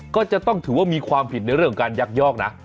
ก็จะต้องถือว่ามีความผิดในเรื่องของการยักยอกนะ